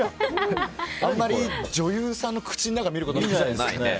あんまり女優さんの口の中見ることないじゃないですか。